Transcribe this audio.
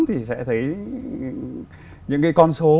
thì sẽ thấy những cái con số